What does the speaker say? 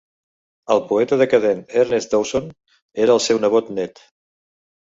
El poeta decadent Ernest Dowson era el seu nebot net.